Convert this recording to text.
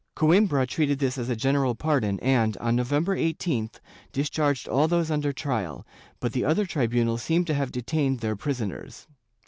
Coimbra treated this as a general pardon and, on November 18th, discharged all those under trial, but the other tribunals seem to have detained their prisoners.